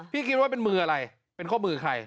คิดว่าเป็นมืออะไรเป็นข้อมือใคร